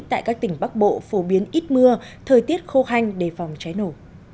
tại các tỉnh bắc bộ phổ biến ít mưa thời tiết khô hanh để phòng cháy nổ